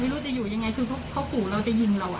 ไม่รู้จะอยู่ยังไงคือเขาขู่เราจะยิงเรา